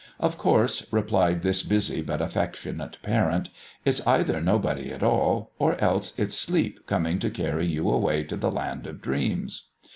"Of course," replied this busy but affectionate parent; "it's either nobody at all, or else it's Sleep coming to carry you away to the land of dreams."